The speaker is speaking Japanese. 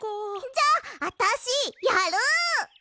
じゃああたしやる！